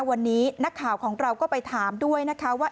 วันนี้นักข่าวของเราก็ไปถามด้วยนะคะว่า